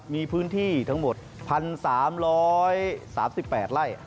มีพื้นที่ทั้งหมด๑๓๓๘ไร่